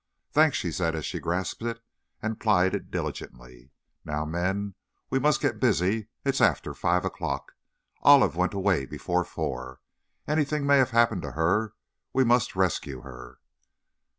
"Thanks," she said, as she grasped it and plied it diligently; "now, men, we must get busy! It's after five o'clock, Olive went away before four, anything may have happened to her we must rescue her!"